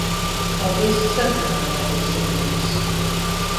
Paldies, ka sazinājāties ar mums!